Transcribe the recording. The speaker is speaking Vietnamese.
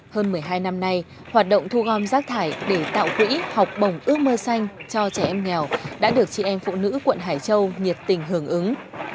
hơn một mươi hai năm nay hoạt động thu gom rác thải để tạo quỹ học bổng ước mơ xanh cho trẻ em nghèo đã được chị em phụ nữ quận hải châu nhiệt tình hưởng ứng